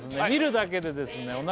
見るだけでですね